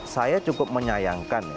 saya cukup menyayangkan